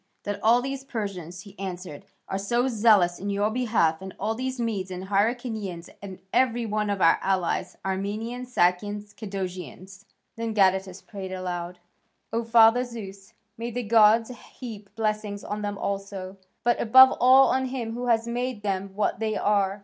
"That all these Persians," he answered, "are so zealous in your behalf, and all these Medes and Hyrcanians, and every one of our allies, Armenians, Sakians, Cadousians." Then Gadatas prayed aloud: "O Father Zeus, may the gods heap blessings on them also, but above all on him who has made them what they are!